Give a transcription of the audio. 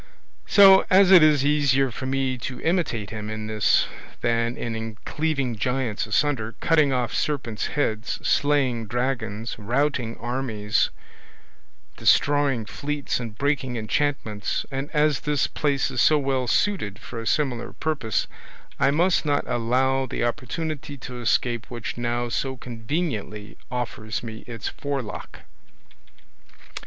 So, as it is easier for me to imitate him in this than in cleaving giants asunder, cutting off serpents' heads, slaying dragons, routing armies, destroying fleets, and breaking enchantments, and as this place is so well suited for a similar purpose, I must not allow the opportunity to escape which now so conveniently offers me its forelock."